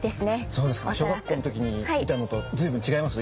そうですか。小学校の時に見たのと随分違います？